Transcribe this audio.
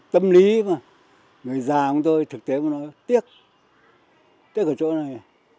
tâm lý mà người già của tôi thực tế mà nói tiếc tiếc ở chỗ này